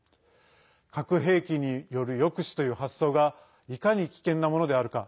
核兵器による抑止という発想がいかに危険なものであるか